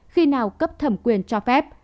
khi nào cấp thẩm quyền cho phép